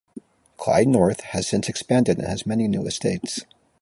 Clyde North has since expanded and has many new estates.